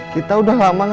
kita udah lama gak ketemu ya